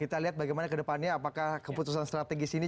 kita lihat bagaimana ke depannya apakah keputusan strategis ini